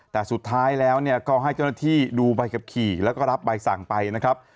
แต่สุดท้ายแล้วก็ให้เจ้าหน้าที่ดูใบขับขี่แล้วก็รับใบสั่งไปนะครับ